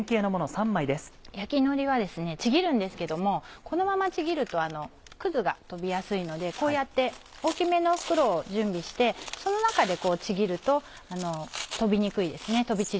焼きのりはちぎるんですけれどもこのままちぎるとくずが飛びやすいのでこうやって大きめの袋を準備してその中でちぎると飛び散りにくいですね。